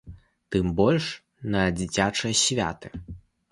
Тым больш на дзіцячыя святы.